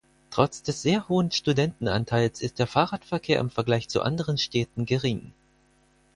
Trotz des sehr hohen Studentenanteils ist der Fahrradverkehr im Vergleich zu anderen Städten gering.